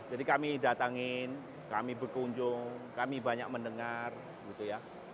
jadi kami datangin kami berkunjung kami banyak mendengar gitu ya